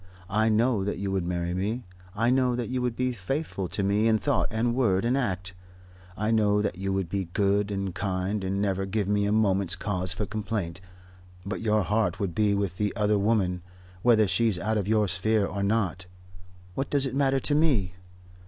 I know that you would marry me. I know that you would be faithful to me in thought and word and act. I know that you would be good and kind and never give me a moment's cause for complaint. But your heart would be with the other woman. Whether she's out of your sphere or not what does it matter to me?